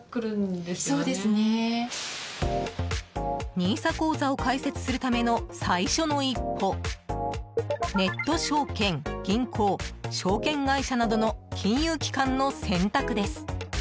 ＮＩＳＡ口座を開設するための最初の一歩ネット証券、銀行証券会社などの金融機関の選択です。